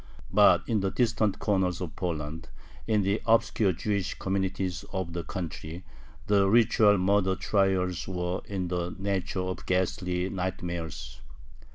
But in the distant corners of Poland, in the obscure Jewish communities of the country, the ritual murder trials were in the nature of ghastly nightmares.